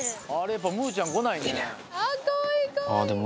やっぱむぅちゃん来ないね。